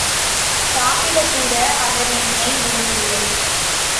சாப்பிடக்கூட அவர் என்னை விடவில்லை.